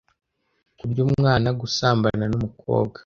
kurya umwana(gusambana n’umukobwa)